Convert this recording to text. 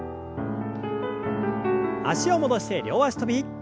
脚を戻して両脚跳び。